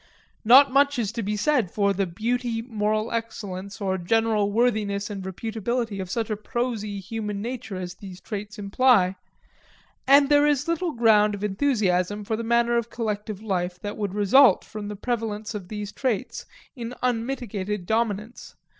Not much is to be said for the beauty, moral excellence, or general worthiness and reputability of such a prosy human nature as these traits imply; and there is little ground of enthusiasm for the manner of collective life that would result from the prevalence of these traits in unmitigated dominance.